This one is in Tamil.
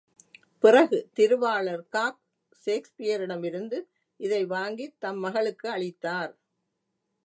பிறகு திருவாளர் காக், சேக்ஸ்பியரிடமிருந்து இதை வாங்கித் தம் மகளுக்கு அளித்தார்.